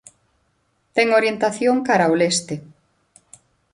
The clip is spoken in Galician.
Ten orientación cara o leste.